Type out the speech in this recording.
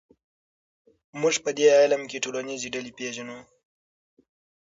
موږ په دې علم کې ټولنیزې ډلې پېژنو.